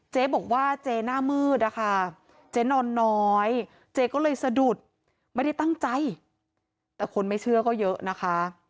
เจ๊บอกว่าเจ๊หน้ามืดนะคะเจ๊นอนน้อยเจ๊ก็เลยสะดุดไม่ได้ตั้งใจแต่คนไม่เชื่อก็เยอะนะคะ